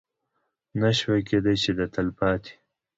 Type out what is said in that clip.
نه شوای کېدی چې د تلپاتې